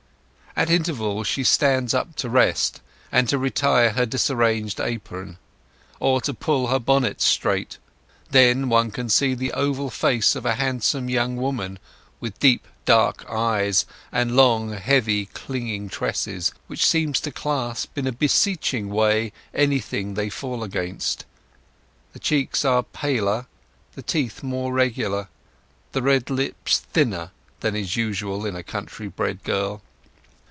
At intervals she stands up to rest, and to retie her disarranged apron, or to pull her bonnet straight. Then one can see the oval face of a handsome young woman with deep dark eyes and long heavy clinging tresses, which seem to clasp in a beseeching way anything they fall against. The cheeks are paler, the teeth more regular, the red lips thinner than is usual in a country bred girl.